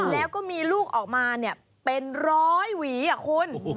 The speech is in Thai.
แล้วก็มีลูกออกมาเนี่ยเป็นร้อยหวีอ่ะคุณ